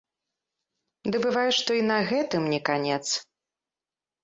Ды бывае, што і на гэтым не канец.